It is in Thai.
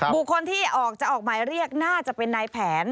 บุคคลที่ออกจะออกหมายเรียกน่าจะเป็นนายแผน